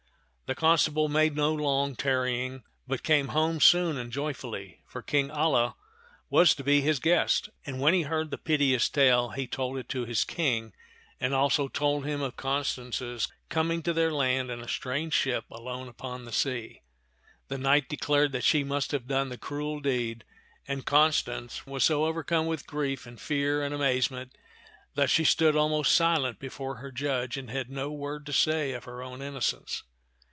The constable made no long tarrying, but came home soon and joyfully, for King Alia was to be his guest. And when he heard the piteous tale, he told it to his King, and also told him of Constance's coming to their land in a strange ship, alone upon the sea. The knight declared that she must have done the cruel deed, and Constance was so overcome with grief and fear and amazement, that she stood almost silent before her judge and had no word to say of her own innocence.